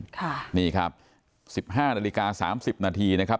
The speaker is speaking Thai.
ค่ะนี่ครับสิบห้านาฬิกาสามสิบนาทีนะครับ